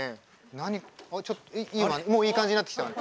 何ちょっともういい感じになってきたわね。